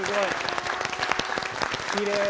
きれい。